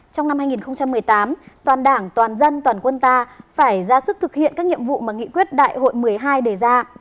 trong năm hai nghìn một mươi tám toàn đảng toàn dân toàn quân ta phải ra sức thực hiện các nhiệm vụ mà nghị quyết đại hội một mươi hai đề ra